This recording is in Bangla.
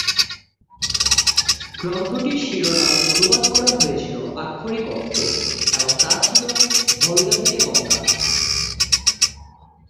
গ্রন্থটির শিরোনাম অনুবাদ করা হয়েছিলো আক্ষরিক অর্থে, এবং তা ছিলো- 'ভোলগা থেকে গঙ্গা'।